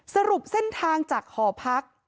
สรุปเส้นทางจากหอพัก